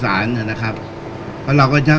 การสำรรค์ของเจ้าชอบใช่